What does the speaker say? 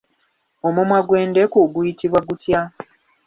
Omumwa gw'endeku guyitibwa gutya?